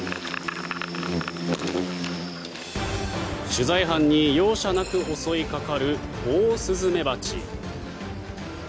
取材班に容赦なく襲いかかるオオスズメバチ。